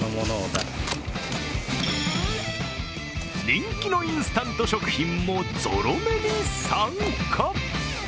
人気のインスタント食品もゾロ目に参加。